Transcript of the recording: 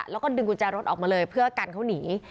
แล้วก็ดึงกุญแจรถออกมาเลยเพื่อกันเขาหนี